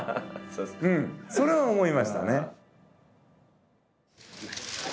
うんそれは思いましたね。